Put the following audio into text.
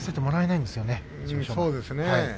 そうですよね。